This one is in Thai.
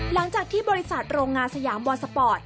หลังจากที่บริษัทโรงงานสยามวอลสปอร์ต